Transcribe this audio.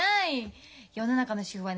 世の中の主婦はね